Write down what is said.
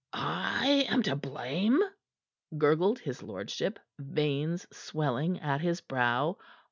"I am to blame!" gurgled his lordship, veins swelling at his brow.